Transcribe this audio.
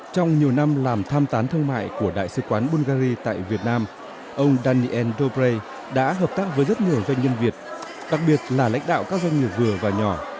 trong nhiều năm làm tham tán thương mại của đại sứ quán bungary tại việt nam ông daniel dobre đã hợp tác với rất nhiều doanh nhân việt đặc biệt là lãnh đạo các doanh nghiệp vừa và nhỏ